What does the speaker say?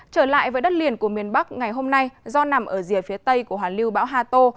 trở lại với đất liền của miền bắc ngày hôm nay do nằm ở dìa phía tây của hoàn lưu bão hà tô